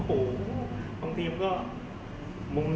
ครับแฟนจริงที่เมฆก็แบบว่าทอล้องไห้